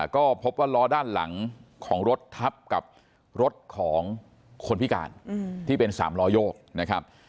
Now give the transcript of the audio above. ก็พบว่าล้อด้านหลังของรถทับกับรถของคนพิการที่เป็น๓ล้อโยกนะครับ